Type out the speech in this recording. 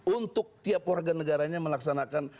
untuk tiap warga negaranya melaksanakan